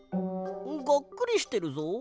がっくりしてるぞ。